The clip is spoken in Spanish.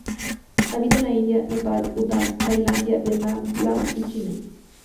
Habita en la India, Nepal, Bután, Tailandia, Vietnam, Laos y China.